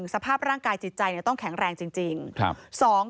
สภาพร่างกายจิตใจต้องแข็งแรงจริง